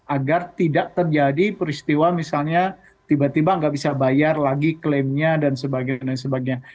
agar tidak terjadi peristiwa misalnya tiba tiba nggak bisa bayar lagi klaimnya dan sebagainya